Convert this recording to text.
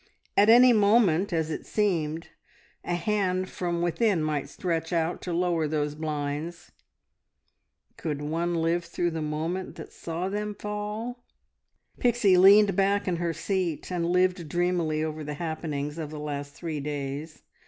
At any moment, as it seemed, a hand from within might stretch out to lower those blinds ... Could one live through the moment that saw them fall? Pixie leaned back in her seat, and lived dreamily over the happenings of the last three days.